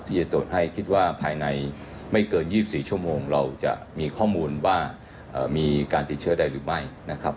ที่จะตรวจให้คิดว่าภายในไม่เกิน๒๔ชั่วโมงเราจะมีข้อมูลว่ามีการติดเชื้อใดหรือไม่นะครับ